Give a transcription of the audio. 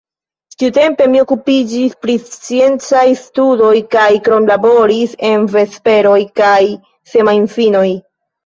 Tiutempe mi okupiĝis pri sciencaj studoj kaj kromlaboris en vesperoj aŭ semajnfinoj.